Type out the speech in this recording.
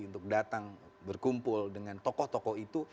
untuk datang berkumpul dengan tokoh tokoh itu